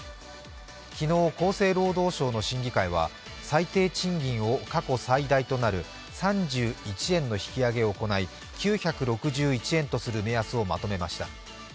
昨日、厚生労働省の審議会は最低賃金を過去最大となる３１円の引き上げを行い９６１円とする目安をまとめました。